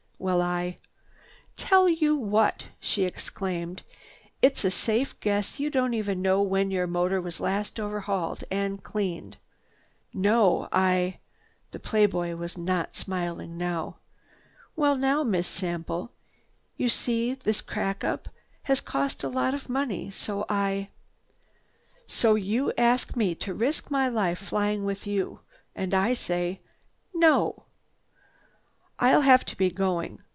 "Well, I—" "Tell you what!" she exclaimed. "It's a safe guess you don't even know when your motor was last overhauled and cleaned." "No, I—" the play boy was not smiling now. "Well now, Miss Sample, you see this crack up has cost a lot of money. So I—" "So you ask me to risk my life flying with you. And I say 'No!' "I—I'll have to be going."